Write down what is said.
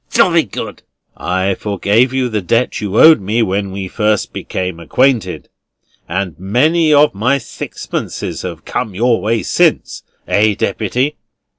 "Jolly good." "I forgave you the debt you owed me when we first became acquainted, and many of my sixpences have come your way since; eh, Deputy?"